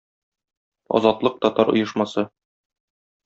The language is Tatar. "Азатлык" татар оешмасы